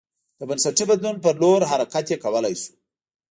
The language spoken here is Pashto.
د بنسټي بدلون په لور حرکت یې کولای شو